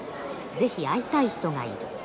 是非会いたい人がいる。